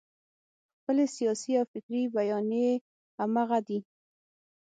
خپلې سیاسي او فکري بیانیې همغه دي.